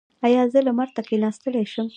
ایا زه لمر ته کیناستلی شم؟